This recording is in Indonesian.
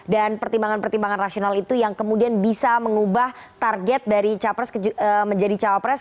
dan pertimbangan pertimbangan rasional itu yang kemudian bisa mengubah target dari capres menjadi capres